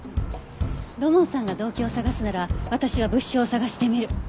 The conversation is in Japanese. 土門さんが動機を探すなら私は物証を探してみる。